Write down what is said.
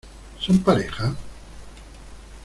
¿Son pareja?